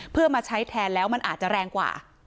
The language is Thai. เพื่อมาใช้แทนแล้วมันอาจจะแรงกว่า